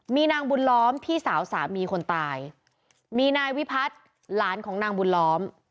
มีนางบุญล้อมพี่สาวสามีคนตายมีนายวิพัฒน์หลานของนางบุญล้อม